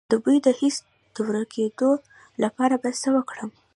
د بوی د حس د ورکیدو لپاره باید څه وکړم؟